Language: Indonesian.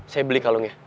saya beli kalungnya